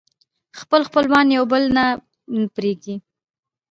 خپل خپلوان يو بل نه پرېږدي